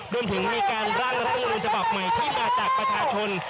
จิ้งมีการส่งวิ่งต่อไปที่มีมาจากประธานทน